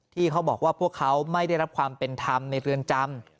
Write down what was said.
ที่เขาบอกว่าพวกเขาไม่ได้รับความเป็นธรรมในเรือนจำ